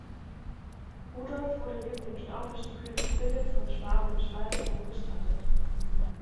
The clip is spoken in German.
Rudolf wurde neben dem staufischen König Philipp von Schwaben im Speyrer Dom bestattet.